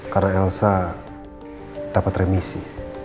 karena elsa dapat remisi